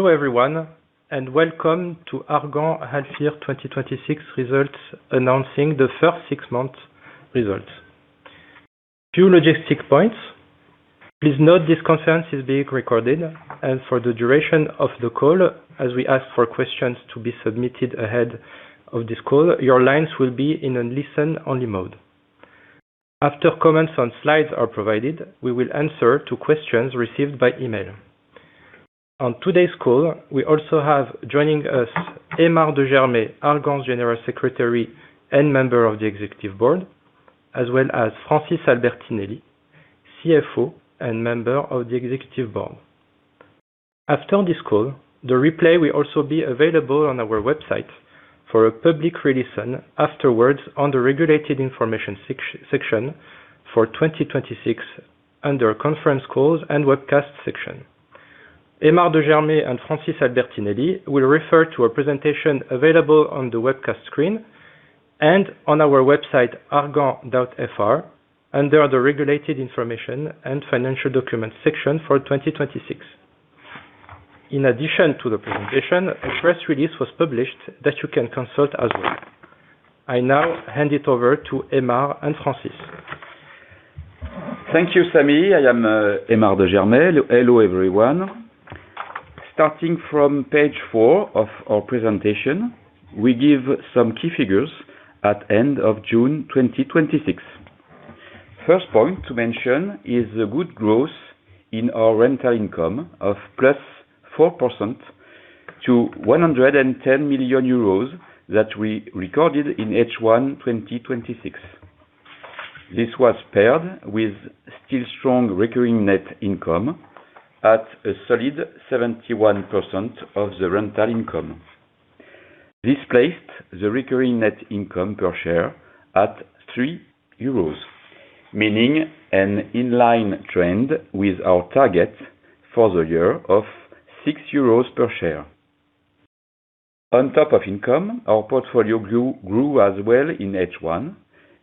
Hello everyone, welcome to Argan half-year 2026 results, announcing the first six-month results. Few logistic points. Please note this conference is being recorded, and for the duration of the call, as we ask for questions to be submitted ahead of this call, your lines will be in a listen-only mode. After comments and slides are provided, we will answer to questions received by email. On today's call, we also have joining us, Aymar de Germay, Argan's General Secretary and member of the executive board, as well as Francis Albertinelli, CFO and member of the executive board. After this call, the replay will also be available on our website for a public release afterwards on the Regulated Information section for 2026 under Conference Calls and Webcasts section. Aymar de Germay and Francis Albertinelli will refer to a presentation available on the webcast screen and on our website, argan.fr, under the Regulated Information and Financial Documents section for 2026. In addition to the presentation, a press release was published that you can consult as well. I now hand it over to Aymar and Francis. Thank you, Samy. I am Aymar de Germay. Hello, everyone. Starting from page four of our presentation, we give some key figures at end of June 2026. First point to mention is the good growth in our rental income of +4% to 110 million euros that we recorded in H1 2026. This was paired with still strong recurring net income at a solid 71% of the rental income. This placed the recurring net income per share at 3 euros, meaning an in-line trend with our target for the year of 6 euros per share. On top of income, our portfolio grew as well in H1,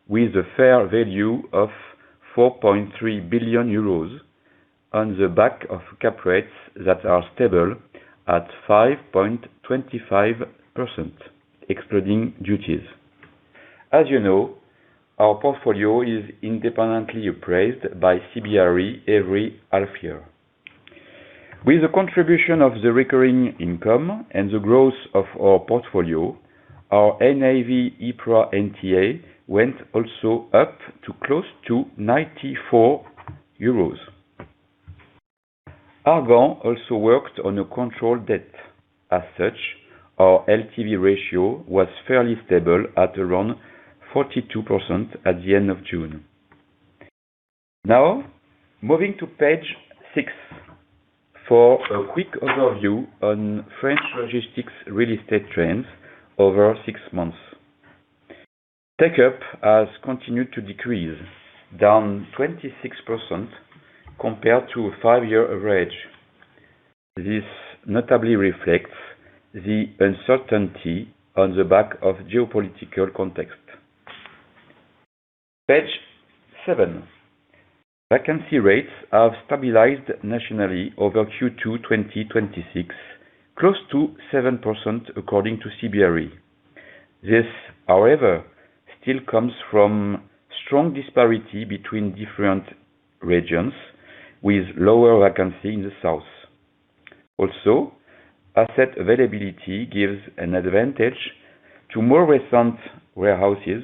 with a fair value of 4.3 billion euros on the back of cap rates that are stable at 5.25%, excluding duties. As you know, our portfolio is independently appraised by CBRE every half-year. With the contribution of the recurring income and the growth of our portfolio, our NAV EPRA NTA went also up to close to 94 euros. Argan also worked on a control debt. As such, our LTV ratio was fairly stable at around 42% at the end of June. Now, moving to page six for a quick overview on French logistics real estate trends over six-months. Take-up has continued to decrease, down 26% compared to a five-year average. This notably reflects the uncertainty on the back of geopolitical context. Page seven. Vacancy rates have stabilized nationally over Q2 2026, close to 7% according to CBRE. This, however, still comes from strong disparity between different regions with lower vacancy in the south. Also, asset availability gives an advantage to more recent warehouses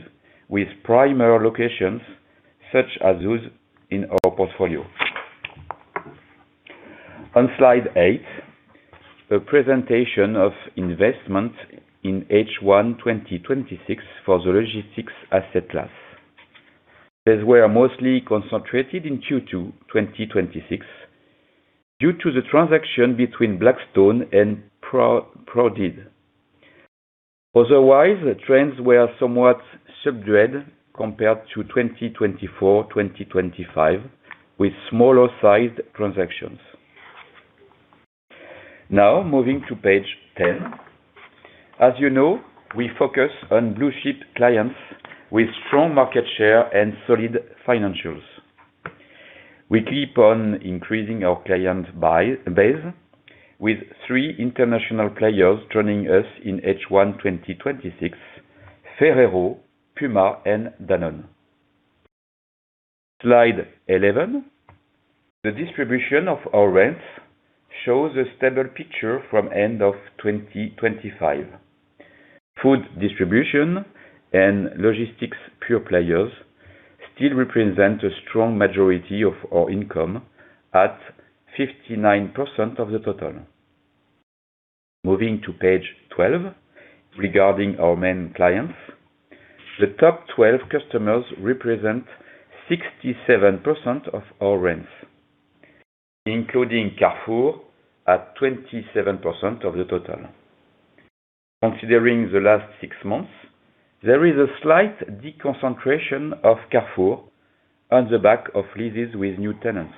with prime locations such as those in our portfolio. On slide eight, a presentation of investment in H1 2026 for the logistics asset class. These were mostly concentrated in Q2 2026 due to the transaction between Blackstone and Proudreed. The trends were somewhat subdued compared to 2024, 2025, with smaller sized transactions. Moving to page 10. As you know, we focus on blue-chip clients with strong market share and solid financials. We keep on increasing our client base with three international players joining us in H1 2026, Ferrero, Puma, and Danone. Slide 11. The distribution of our rents shows a stable picture from end of 2025. Food distribution and logistics pure players still represent a strong majority of our income at 59% of the total. Moving to page 12, regarding our main clients, the top 12 customers represent 67% of our rents, including Carrefour at 27% of the total. Considering the last six months, there is a slight deconcentration of Carrefour on the back of leases with new tenants.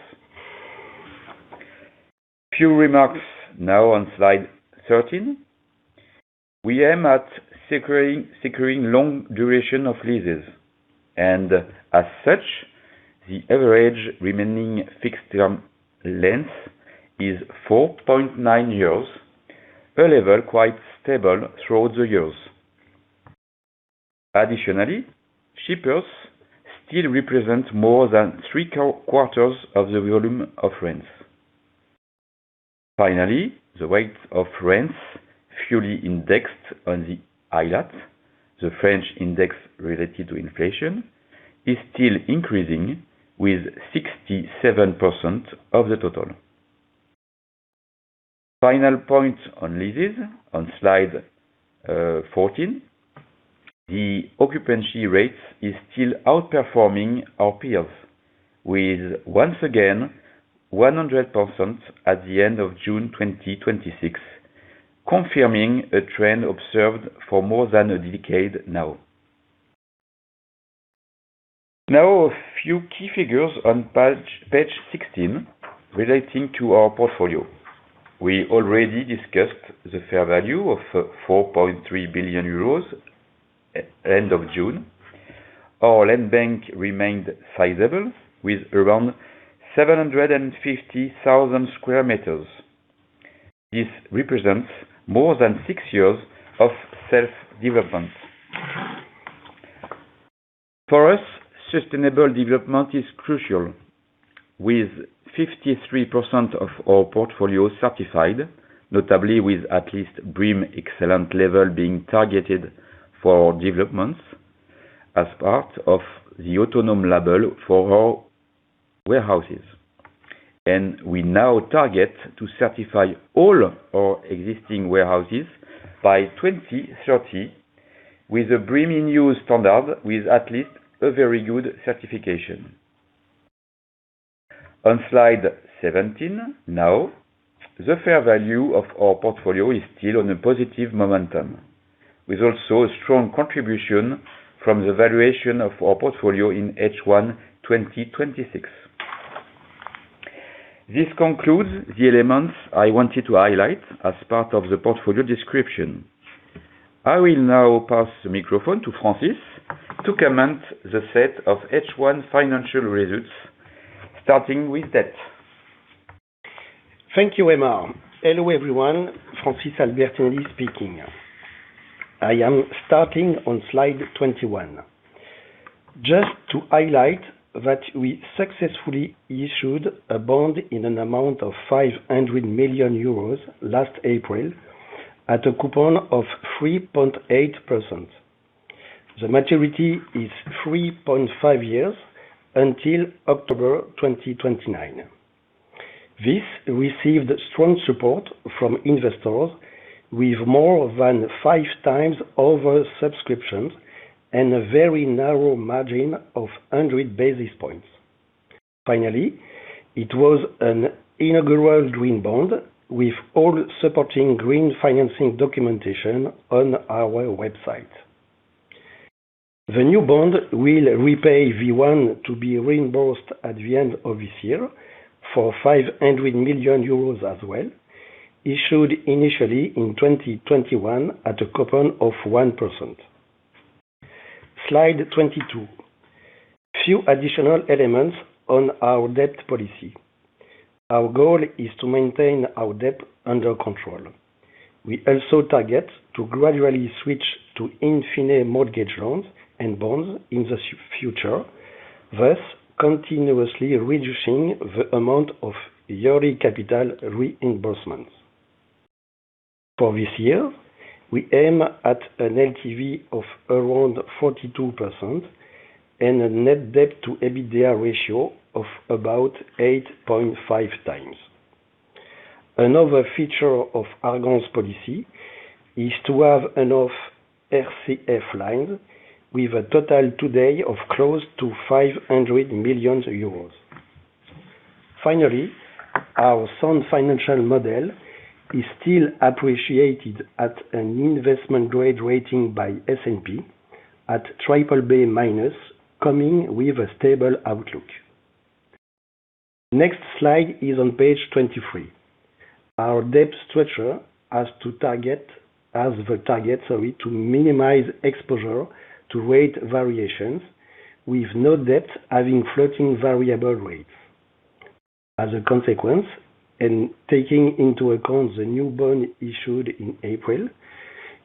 Few remarks on slide 13. We aim at securing long duration of leases, and as such, the average remaining fixed term length is 4.9 years, a level quite stable throughout the years. Additionally, shippers still represent more than three quarters of the volume of rents. The rates of rents fully indexed on the ILAT, the French index related to inflation, is still increasing with 67% of the total. Final point on leases on slide 14, the occupancy rate is still outperforming our peers with, once again, 100% at the end of June 2026, confirming a trend observed for more than a decade. A few key figures on page 16 relating to our portfolio. We already discussed the fair value of 4.3 billion euros end of June. Our land bank remained sizable with around 750,000 sq m. This represents more than six years of self-development. For us, sustainable development is crucial, with 53% of our portfolio certified, notably with at least BREEAM excellent level being targeted for developments as part of the AUTONOM label for our warehouses. We now target to certify all our existing warehouses by 2030 with a BREEAM In-Use standard with at least a very good certification. On slide 17, the fair value of our portfolio is still on a positive momentum, with also a strong contribution from the valuation of our portfolio in H1 2026. This concludes the elements I wanted to highlight as part of the portfolio description. I will now pass the microphone to Francis to comment the set of H1 financial results, starting with debt. Thank you, Aymar. Hello, everyone. Francis Albertinelli speaking. I am starting on slide 21. Just to highlight that we successfully issued a bond in an amount of 500 million euros last April at a coupon of 3.8%. The maturity is 3.5 years until October 2029. This received strong support from investors with more than five times over subscriptions and a very narrow margin of 100 basis points. It was an inaugural green bond with all supporting green financing documentation on our website. The new bond will repay V1 to be reimbursed at the end of this year for 500 million euros as well, issued initially in 2021 at a coupon of 1%. Slide 22. Few additional elements on our debt policy. Our goal is to maintain our debt under control. We also target to gradually switch to in fine mortgage loans and bonds in the future, thus continuously reducing the amount of yearly capital reimbursements. For this year, we aim at an LTV of around 42% and a net debt to EBITDA ratio of about 8.5 times. Another feature of Argan's policy is to have enough RCF lines with a total today of close to 500 million euros. Finally, our sound financial model is still appreciated at an investment grade rating by S&P at BBB-, coming with a stable outlook. Next slide is on page 23. Our debt structure has the target, sorry, to minimize exposure to rate variations, with no debt having floating variable rates. As a consequence, and taking into account the new bond issued in April,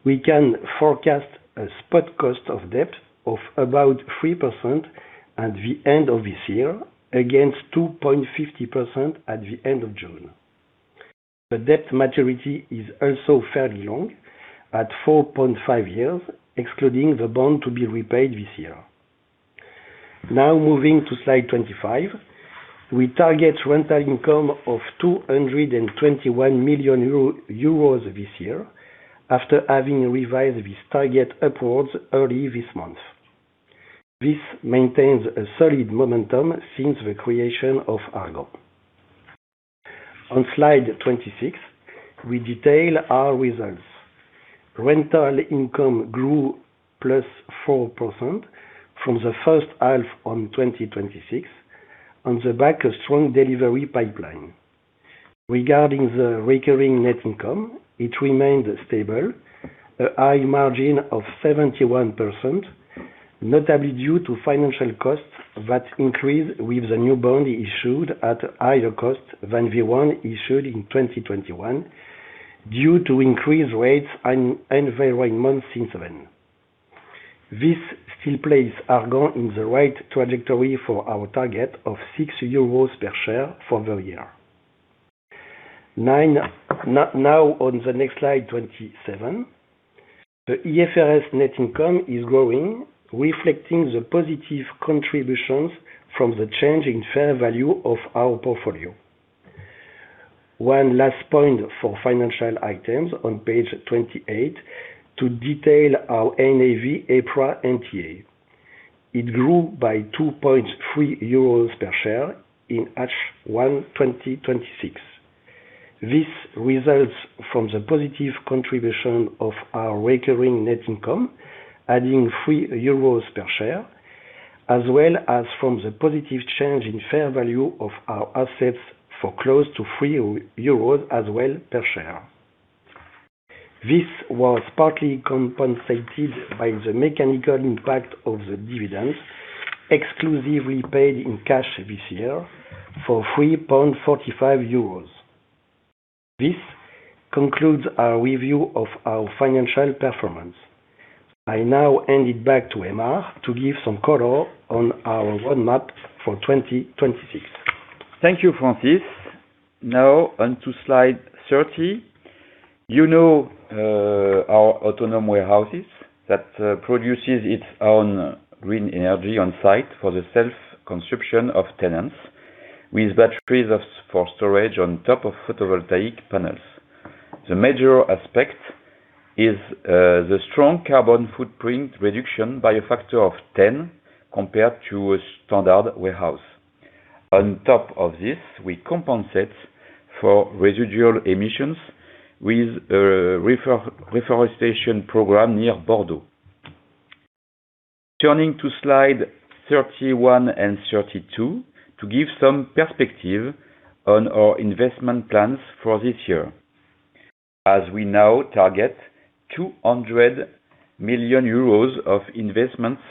we can forecast a spot cost of debt of about 3% at the end of this year against 2.50% at the end of June. The debt maturity is also fairly long at 4.5 years, excluding the bond to be repaid this year. Moving to slide 25, we target rental income of 221 million euro this year, after having revised this target upwards early this month. This maintains a solid momentum since the creation of Argan. On slide 26, we detail our results. Rental income grew plus 4% from the first half on 2026 on the back of strong delivery pipeline. Regarding the recurring net income, it remained stable. A high margin of 71%, notably due to financial costs that increased with the new bond issued at higher cost than the one issued in 2021 due to increased rates and environment since then. This still places Argan in the right trajectory for our target of 6 euros per share for the year. On the next slide, 27. The EPRA net income is growing, reflecting the positive contributions from the change in fair value of our portfolio. One last point for financial items on page 28, to detail our NAV EPRA NTA. It grew by 2.3 euros per share in H1 2026. This results from the positive contribution of our recurring net income adding 3 euros per share, as well as from the positive change in fair value of our assets for close to 3 euros as well per share. This was partly compensated by the mechanical impact of the dividends exclusively paid in cash this year for 3.45 euros. This concludes our review of our financial performance. I hand it back to Aymar to give some color on our roadmap for 2026. Thank you, Francis. On to slide 30. Our AUTONOM® warehouses that produces its own green energy on-site for the self-consumption of tenants with batteries for storage on top of photovoltaic panels. The major aspect is the strong carbon footprint reduction by a factor of 10 compared to a standard warehouse. We compensate for residual emissions with a reforestation program near Bordeaux. Turning to slide 31 and 32 to give some perspective on our investment plans for this year, as we now target 200 million euros of investments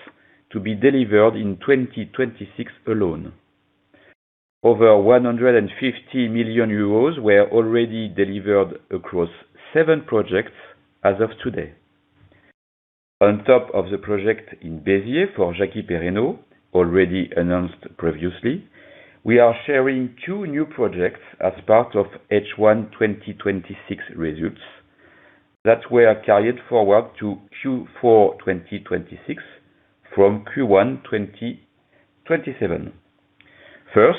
to be delivered in 2026 alone. Over 150 million euros were already delivered across seven projects as of today. We are sharing two new projects as part of H1 2026 results that were carried forward to Q4 2026 from Q1 2027. First,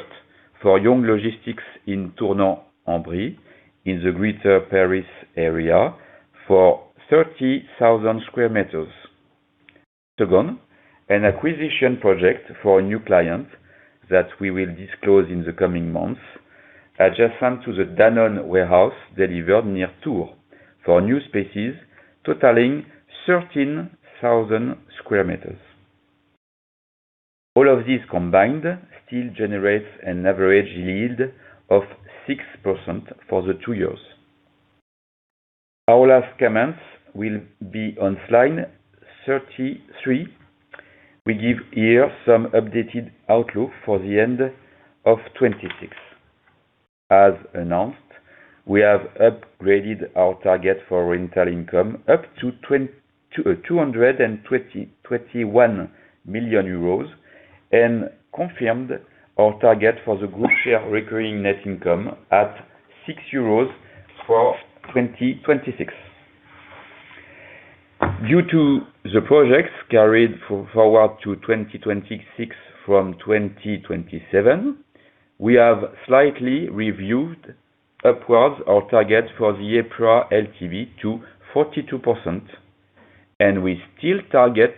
for Jung Logistique in Tournan-en-Brie in the greater Paris area for 30,000 sq m. Second, an acquisition project for a new client that we will disclose in the coming months adjacent to the Danone warehouse delivered near Tours for new spaces totaling 13,000 sq m. All of this combined still generates an average yield of 6% for the two years. Our last comments will be on slide 33. We give here some updated outlook for the end of 2026. We have upgraded our target for rental income up to 221 million euros and confirmed our target for the group share recurring net income at 6 euros for 2026. Due to the projects carried forward to 2026 from 2027, we have slightly reviewed upwards our target for the EPRA LTV to 42%. We still target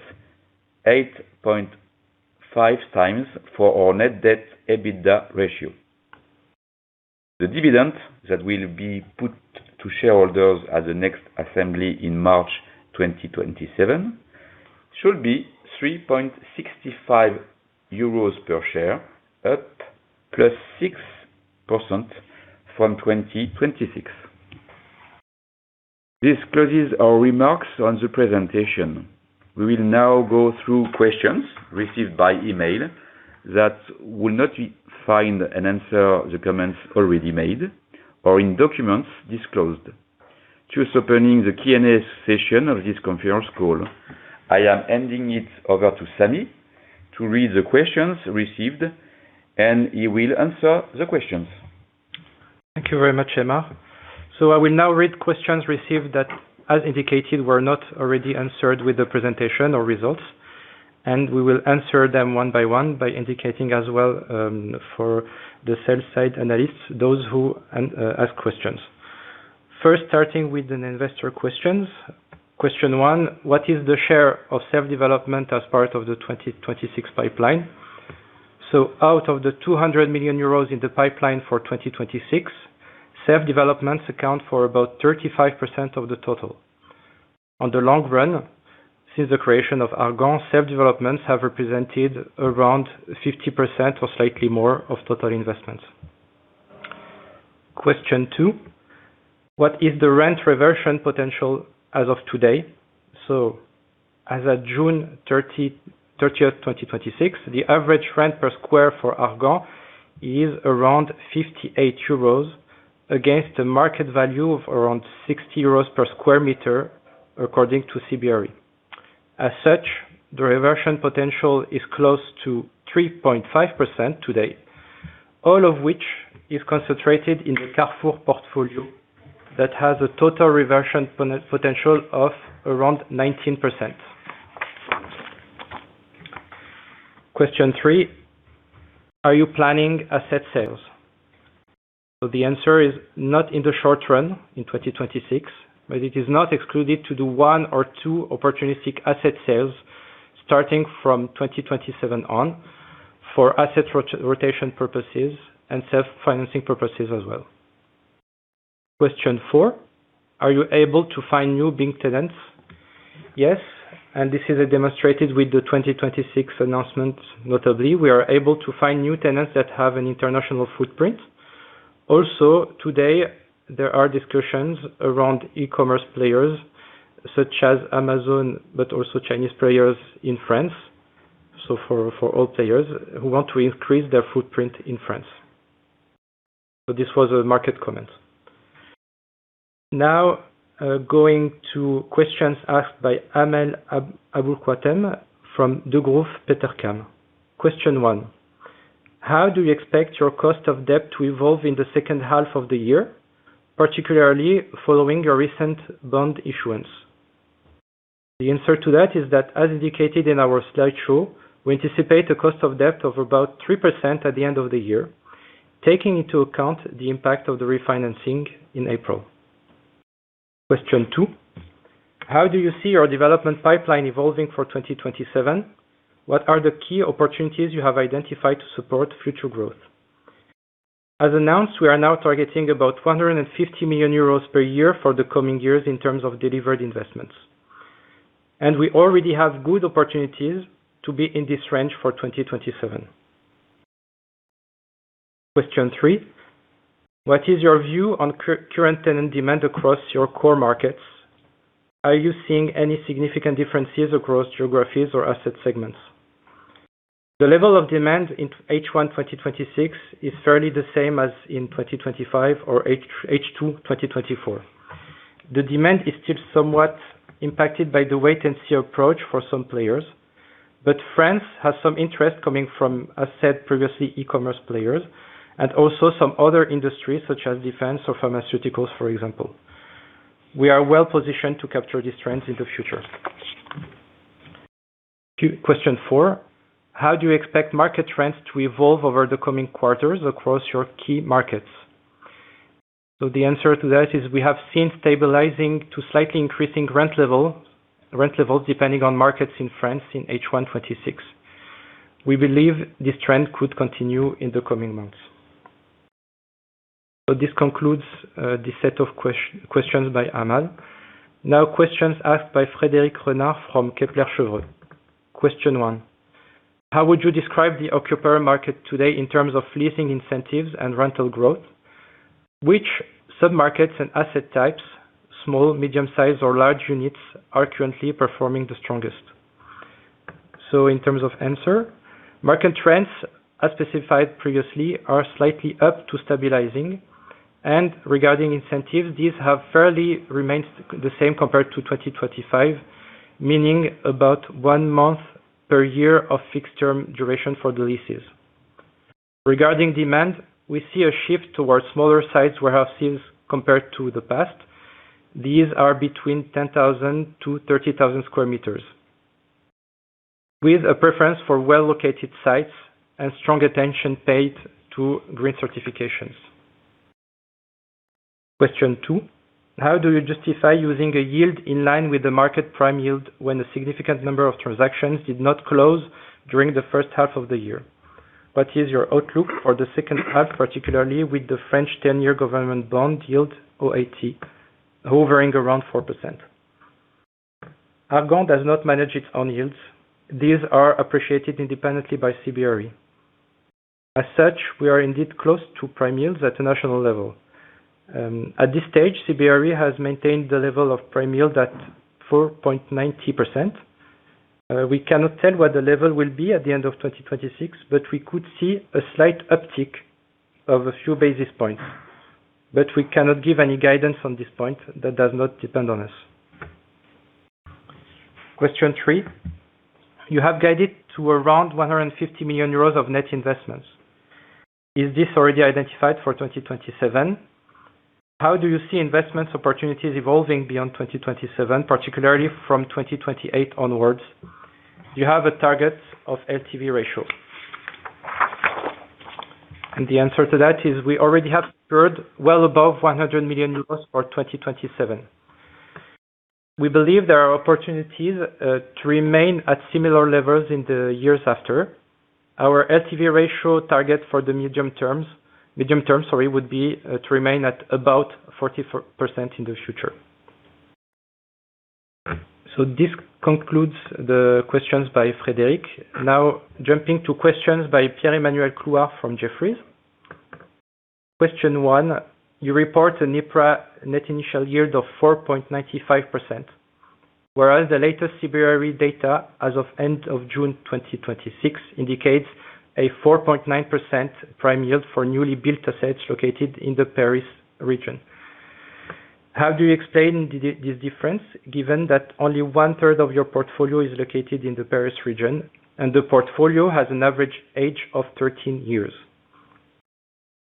8.5x for our net debt EBITDA ratio. The dividend that will be put to shareholders at the next assembly in March 2027 should be 3.65 euros per share, up +6% from 2026. This closes our remarks on the presentation. Go through questions received by email that would not find and answer the comments already made or in documents disclosed. Opening the Q&A session of this conference call. I am handing it over to Samy to read the questions received, and he will answer the questions. Thank you very much, Aymar. I will now read questions received that, as indicated, were not already answered with the presentation or results, and we will answer them one by one by indicating as well, for the sell-side analysts, those who ask questions. First, starting with the investor questions. Question one, what is the share of self-development as part of the 2026 pipeline? Out of the 200 million euros in the pipeline for 2026, self-developments account for about 35% of the total. On the long run, since the creation of Argan, self-developments have represented around 50% or slightly more of total investments. Question two, what is the rent reversion potential as of today? As at June 30th 2026, the average rent per square for Argan is around 58 euros against the market value of around 60 euros per sq m according to CBRE. As such, the reversion potential is close to 3.5% today, all of which is concentrated in the Carrefour portfolio that has a total reversion potential of around 19%. Question three, are you planning asset sales? The answer is not in the short run in 2026, but it is not excluded to do one or two opportunistic asset sales starting from 2027 on for asset rotation purposes and self-financing purposes as well. Question four, are you able to find new big tenants? Yes, and this is demonstrated with the 2026 announcement notably. We are able to find new tenants that have an international footprint. Also today, there are discussions around e-commerce players such as Amazon, but also Chinese players in France. For all players who want to increase their footprint in France. This was a market comment. Going to questions asked by Amal Aboulkhouatem from Degroof Petercam. Question one, how do you expect your cost of debt to evolve in the second half of the year, particularly following your recent bond issuance? The answer to that is that as indicated in our slideshow, we anticipate a cost of debt of about 3% at the end of the year, taking into account the impact of the refinancing in April. Question two, how do you see your development pipeline evolving for 2027? What are the key opportunities you have identified to support future growth? As announced, we are now targeting about 150 million euros per year for the coming years in terms of delivered investments. We already have good opportunities to be in this range for 2027. Question three, what is your view on current tenant demand across your core markets? Are you seeing any significant differences across geographies or asset segments? The level of demand in H1 2026 is fairly the same as in 2025 or H2 2024. The demand is still somewhat impacted by the wait-and-see approach for some players, but France has some interest coming from, as said previously, e-commerce players and also some other industries such as defense or pharmaceuticals, for example. We are well-positioned to capture these trends in the future. Q uestion four, how do you expect market trends to evolve over the coming quarters across your key markets? The answer to that is we have seen stabilizing to slightly increasing rent levels depending on markets in France in H1 2026. We believe this trend could continue in the coming months. This concludes this set of questions by Amal. Questions asked by Frédéric Renard from Kepler Cheuvreux. Question one, how would you describe the occupier market today in terms of leasing incentives and rental growth? Which sub-markets and asset types, small, medium-sized, or large units, are currently performing the strongest? In terms of answer, market trends, as specified previously, are slightly up to stabilizing. Regarding incentives, these have fairly remained the same compared to 2025, meaning about one month per year of fixed term duration for the leases. Regarding demand, we see a shift towards smaller sites warehouse since compared to the past. These are between 10,000 to 30,000 sq m. With a preference for well-located sites and strong attention paid to green certifications. Question two, how do you justify using a yield in line with the market prime yield when a significant number of transactions did not close during the first half of the year? What is your outlook for the second half, particularly with the French 10-year government bond yield, OAT, hovering around 4%? Argan does not manage its own yields. These are appreciated independently by CBRE. We are indeed close to prime yields at a national level. At this stage, CBRE has maintained the level of prime yield at 4.90%. We cannot tell what the level will be at the end of 2026. We could see a slight uptick of a few basis points. We cannot give any guidance on this point that does not depend on us. Question three, you have guided to around 150 million euros of net investments. Is this already identified for 2027? How do you see investment opportunities evolving beyond 2027, particularly from 2028 onwards? Do you have a target of LTV ratio? The answer to that is we already have secured well above 100 million euros for 2027. We believe there are opportunities to remain at similar levels in the years after. Our LTV ratio target for the medium term would be to remain at about 40% in the future. This concludes the questions by Frédéric. Jumping to questions by Pierre-Emmanuel Clouard from Jefferies. Question one, you report an EPRA net initial yield of 4.95%, whereas the latest CBRE data as of end of June 2026 indicates a 4.9% prime yield for newly built assets located in the Paris region. How do you explain this difference, given that only one-third of your portfolio is located in the Paris region and the portfolio has an average age of 13 years?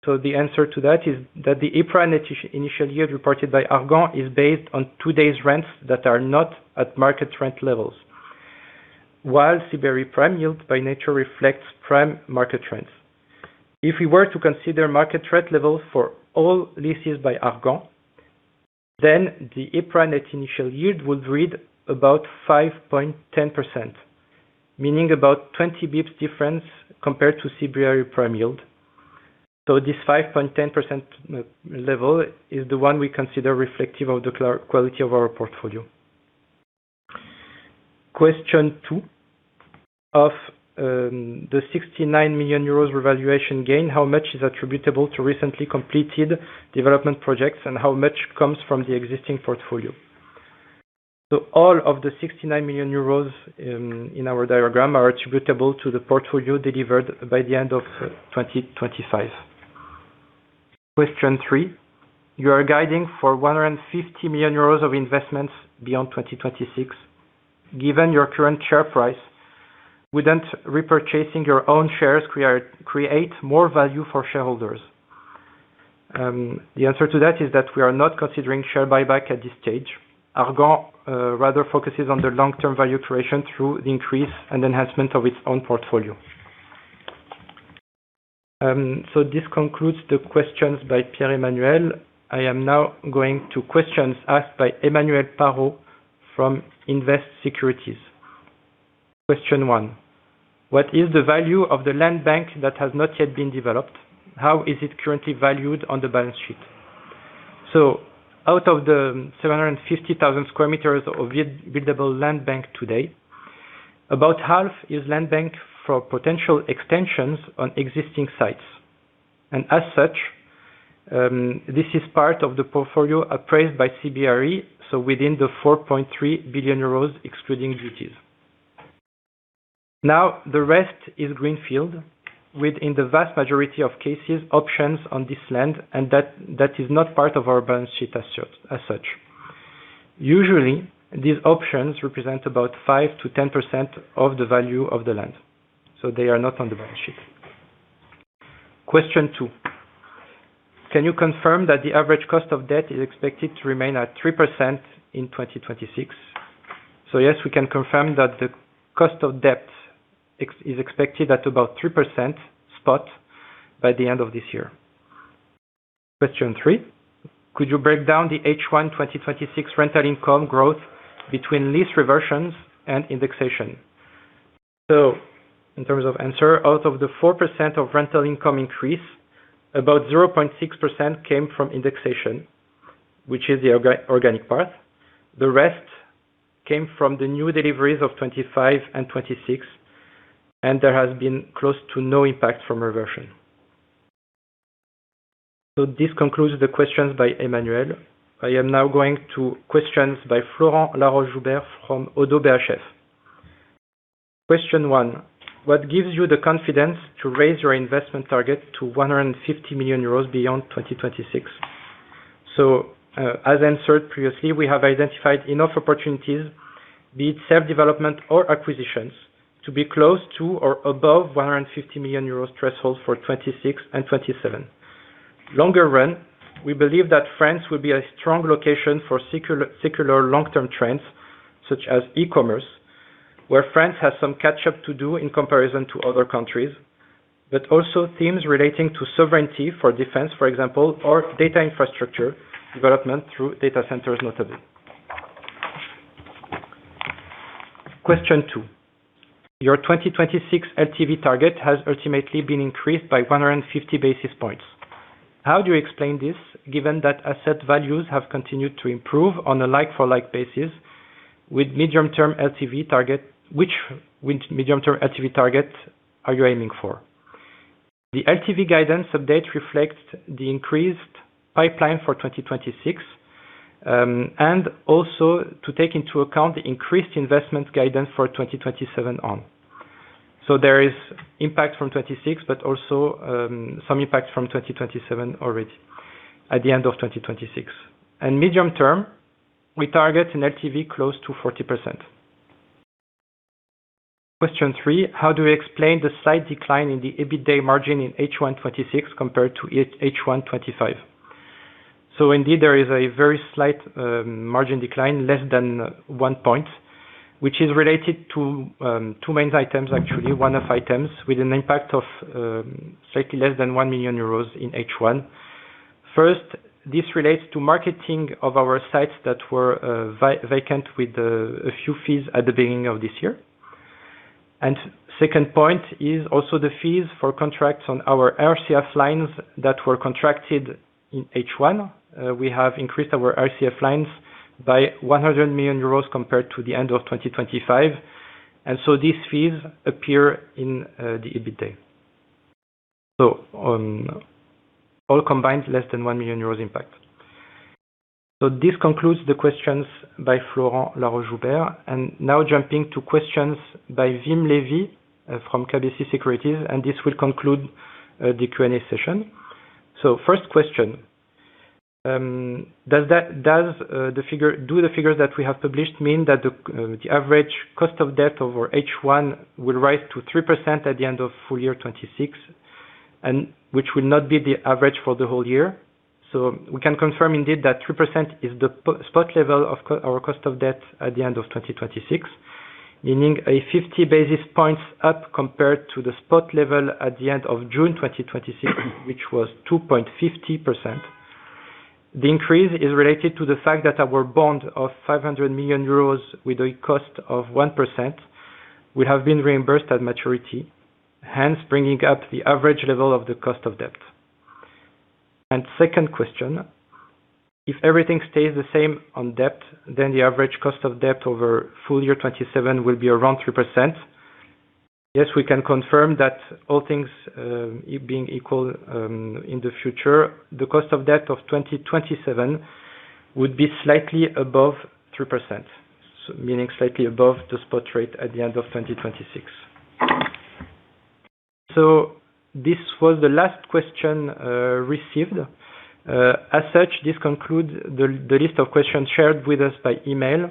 The answer to that is that the EPRA net initial yield reported by Argan is based on today's rents that are not at market rent levels, while CBRE prime yield by nature reflects prime market rents. If we were to consider market rent levels for all leases by Argan, the EPRA net initial yield would read about 5.10%, meaning about 20 basis points difference compared to CBRE prime yield. This 5.10% level is the one we consider reflective of the quality of our portfolio. Question two. Of the 69 million euros revaluation gain, how much is attributable to recently completed development projects, and how much comes from the existing portfolio? All of the 69 million euros in our diagram are attributable to the portfolio delivered by the end of 2025. Question three. You are guiding for 150 million euros of investments beyond 2026. Given your current share price, wouldn't repurchasing your own shares create more value for shareholders? The answer to that is that we are not considering share buyback at this stage. Argan rather focuses on the long-term value creation through the increase and enhancement of its own portfolio. This concludes the questions by Pierre-Emmanuel. I am going to questions asked by Emmanuel Parrot from Invest Securities. Question one. What is the value of the land bank that has not yet been developed? How is it currently valued on the balance sheet? Out of the 750,000 square meters of buildable land bank today, about half is land bank for potential extensions on existing sites. This is part of the portfolio appraised by CBRE, within the 4.3 billion euros excluding duties. The rest is greenfield with, in the vast majority of cases, options on this land, that is not part of our balance sheet as such. Usually, these options represent about 5%-10% of the value of the land. They are not on the balance sheet. Question two. Can you confirm that the average cost of debt is expected to remain at 3% in 2026? Yes, we can confirm that the cost of debt is expected at about 3% spot by the end of this year. Question three. Could you break down the H1 2026 rental income growth between lease reversions and indexation? In terms of answer, out of the 4% of rental income increase, about 0.6% came from indexation, which is the organic part. The rest came from the new deliveries of 2025 and 2026, there has been close to no impact from reversion. This concludes the questions by Emmanuel. I am now going to questions by Florent Laroche-Joubert from ODDO BHF. Question one. What gives you the confidence to raise your investment target to 150 million euros beyond 2026? As answered previously, we have identified enough opportunities, be it self-development or acquisitions, to be close to or above 150 million euros threshold for 2026 and 2027. Longer run, we believe that France will be a strong location for secular long-term trends such as e-commerce, where France has some catch-up to do in comparison to other countries, also themes relating to sovereignty for defense, for example, or data infrastructure development through data centers, notably. Question two. Your 2026 LTV target has ultimately been increased by 150 basis points. How do you explain this, given that asset values have continued to improve on a like-for-like basis with medium-term LTV target? Which medium-term LTV target are you aiming for? The LTV guidance update reflects the increased pipeline for 2026, also to take into account the increased investment guidance for 2027 on. There is impact from 2026, also some impact from 2027 already at the end of 2026. Medium term, we target an LTV close to 40%. Question three. How do you explain the slight decline in the EBITDA margin in H1 2026 compared to H1 2025? Indeed, there is a very slight margin decline, less than one point, which is related to two main items actually. One-off items with an impact of slightly less than 1 million euros in H1. First, this relates to marketing of our sites that were vacant with a few fees at the beginning of this year. Second point is also the fees for contracts on our RCF lines that were contracted in H1. We have increased our RCF lines by 100 million euros compared to the end of 2025, these fees appear in the EBITDA. On all combined, less than 1 million euros impact. This concludes the questions by Florent Laroche-Joubert, now jumping to questions by Wim Lewi from KBC Securities, this will conclude the Q&A session. First question, do the figures that we have published mean that the average cost of debt over H1 will rise to 3% at the end of full year 2026, which will not be the average for the whole year? We can confirm indeed that 3% is the spot level of our cost of debt at the end of 2026, meaning a 50 basis points up compared to the spot level at the end of June 2026, which was 2.50%. The increase is related to the fact that our bond of 500 million euros with a cost of 1% will have been reimbursed at maturity, hence bringing up the average level of the cost of debt. Second question, if everything stays the same on debt, then the average cost of debt over full year 2027 will be around 3%? Yes, we can confirm that all things being equal, in the future, the cost of debt of 2027 would be slightly above 3%, meaning slightly above the spot rate at the end of 2026. This was the last question received. As such, this concludes the list of questions shared with us by email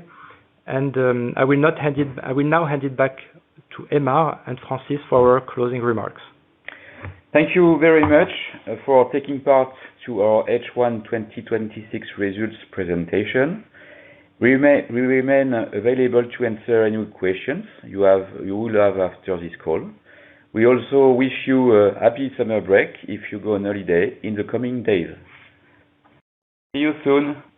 and I will now hand it back to Aymar and Francis for our closing remarks. Thank you very much for taking part to our H1 2026 results presentation. We remain available to answer any questions you will have after this call. We also wish you a happy summer break if you go on holiday in the coming days. See you soon.